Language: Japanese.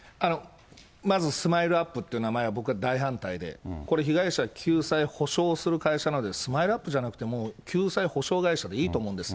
まずスマイルアップという名前は、僕は大反対で、これ被害者救済補償する会社なので、スマイルアップじゃなくて、もう救済補償会社でいいと思うんです。